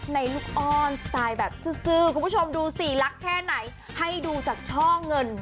ในลูกอ้อนสไตล์แบบซื้อคุณผู้ชมดูสิรักแค่ไหนให้ดูจากช่อเงิน